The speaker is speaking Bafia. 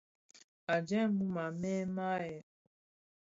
A jèm mum, a mêê maàʼyèg.